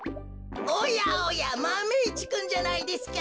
おやおやマメ１くんじゃないですか。